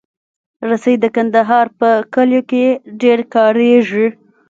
رسۍ د کندهار په کلیو کې ډېره کارېږي.